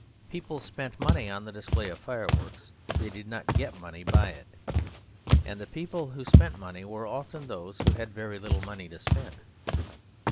People spent money on the display of fireworks; they did not get money by it. And the people who spent money were often those who had very little money to spend.